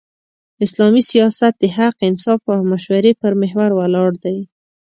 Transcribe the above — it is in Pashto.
اسلامي سیاست د حق، انصاف او مشورې پر محور ولاړ دی.